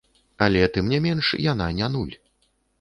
Але тым не менш яна не нуль.